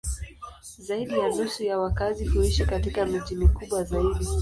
Zaidi ya nusu ya wakazi huishi katika miji mikubwa zaidi.